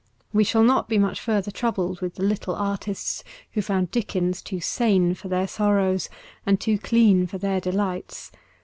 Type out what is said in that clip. We shall not be much further troubled with the little artists who found Dickens too sane for their sorrows and too clean for their delights.